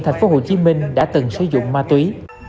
thành phố hồ chí minh đã từng sử dụng ma túy